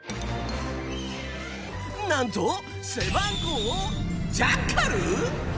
なんと、背番号をジャッカル？